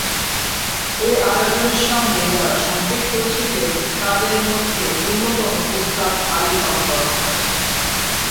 এ আয়োজনের সঙ্গে যাঁরা সম্পৃক্ত ছিলেন তাদের অন্যতম ওস্তাদ আলী আকবর খাঁ।